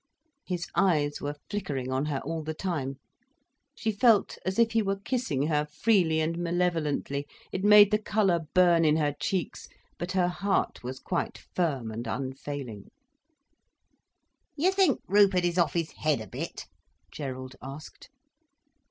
His eyes were flickering on her all the time. She felt as is he were kissing her freely and malevolently. It made the colour burn in her cheeks, but her heart was quite firm and unfailing. "You think Rupert is off his head a bit?" Gerald asked.